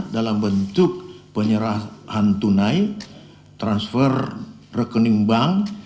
dalam bentuk penyerahan tunai transfer rekening bank